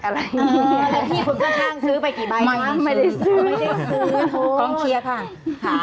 เออแล้วพี่คุณก็ทางซื้อไปกี่ใบ